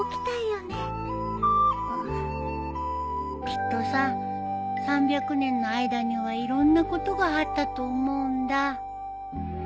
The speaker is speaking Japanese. きっとさ３００年の間にはいろんなことがあったと思うんだ。